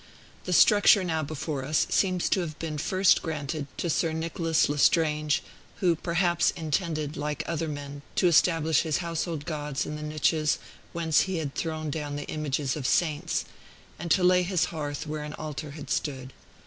The structure now before us seems to have been first granted to Sir Nicholas Lestrange, who perhaps intended, like other men, to establish his household gods in the niches whence he had thrown down the images of saints, and to lay his hearth where an altar had stood.